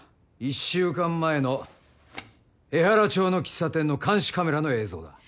１週間前の江原町の喫茶店の監視カメラの映像だ。